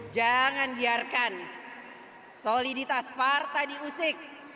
jangan biarkan soliditas partai diusik